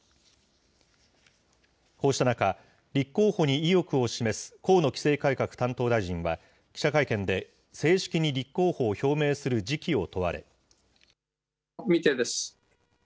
こうした中、立候補に意欲を示す河野規制改革担当大臣は、記者会見で正式に立候補を表明する時期を問われ。